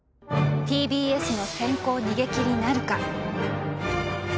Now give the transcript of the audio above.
ＴＢＳの先行逃げ切りなるか？